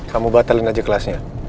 kamu batalin aja kelasnya